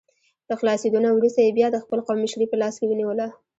له خلاصېدو نه وروسته یې بیا د خپل قوم مشري په لاس کې ونیوله.